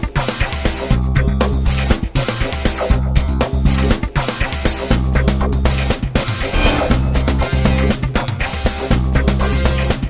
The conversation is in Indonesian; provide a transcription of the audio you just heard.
tidak benar benar gua apes